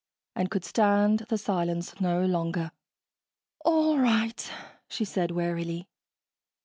and could stand the silence no longer. "All right," she said wearily.